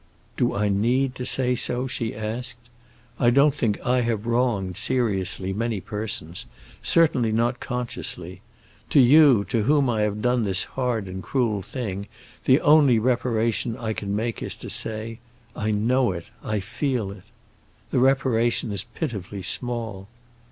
"Do I need to say so?" she asked. "I don't think I have wronged, seriously, many persons; certainly not consciously. To you, to whom I have done this hard and cruel thing, the only reparation I can make is to say, 'I know it, I feel it!' The reparation is pitifully small!"